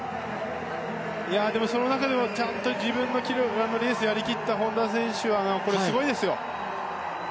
でもその中でも自分のレースをやり切った本多選手はすごいですよ。